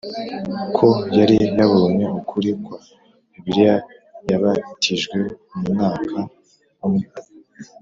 Ko yari yabonye ukuri kwa bibiliya yabatijwe mu mwaka umwe